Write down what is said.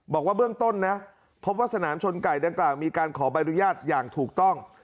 บอกว่าเบื้องต้นนะพบว่าสนามชนไก่ดังกล่าวมีการขอใบอนุญาตอย่างถูกต้อง